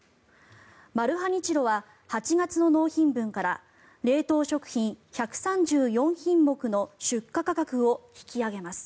マルハニチロは８月の納品分から冷凍食品１３４品目の出荷価格を引き上げます。